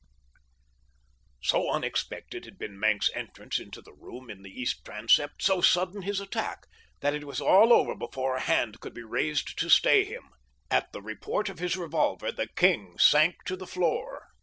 So unexpected had been Maenck's entrance into the room in the east transept, so sudden his attack, that it was all over before a hand could be raised to stay him. At the report of his revolver the king sank to the floor.